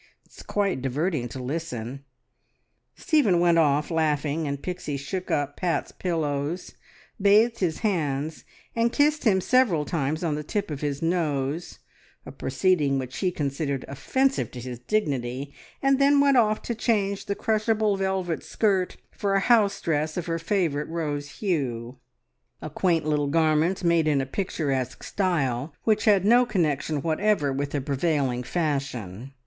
It's quite diverting to listen!" Stephen went off laughing, and Pixie shook up Pat's pillows, bathed his hands, and kissed him several times on the tip of his nose, a proceeding which he considered offensive to his dignity, and then went off to change the crushable velvet skirt for a house dress of her favourite rose hue a quaint little garment made in a picturesque style, which had no connection whatever with the prevailing fashion.